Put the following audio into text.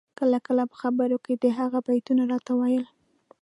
کله کله به یې په خبرو کي د هغه بیتونه راته ویل